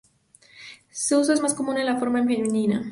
Su uso es más común en la forma femenina.